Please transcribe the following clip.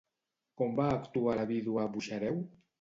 Com va actuar la vídua Buxareu?